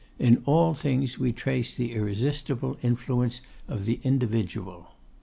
In all things we trace the irresistible influence of the individual.